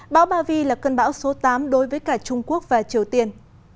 bão ba vy là cơn bão số tám đối với cả trung quốc và triều tiên